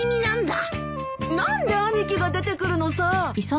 何で兄貴が出てくるのさ。